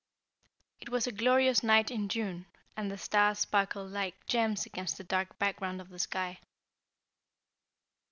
It was a glorious night in June, and the stars sparkled like gems against the dark background of the sky.